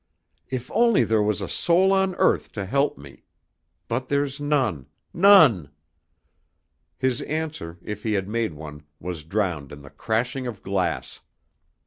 "If only there was a soul on earth to help me but there's none none!" His answer, if he had made one, was drowned in the crashing of glass.